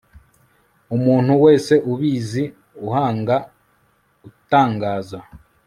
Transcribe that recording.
umuntu wese ubizi uhanga utangaza